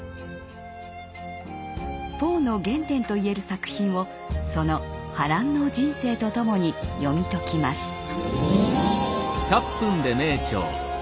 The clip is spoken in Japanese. ポーの原点といえる作品をその波乱の人生とともに読み解きます。